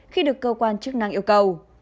khi được cơ quan chức năng yêu cầu